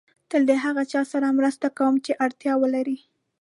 تل د هغه چا سره مرسته کوم چې اړتیا ولري.